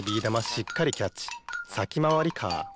しっかりキャッチ先まわりカー。